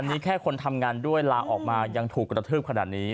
อันนี้แค่คนทำงานด้วยลาออกมายังถูกกระทืบขนาดนี้